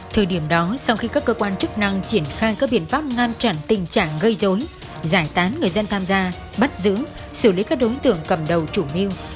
thời điểm đó sau khi các cơ quan chức năng triển khai các biện pháp ngăn chặn tình trạng gây dối giải tán người dân tham gia bắt giữ xử lý các đối tượng cầm đầu chủ mưu